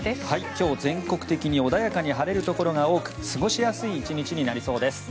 今日、全国的に穏やかに晴れるところが多く過ごしやすい１日になりそうです。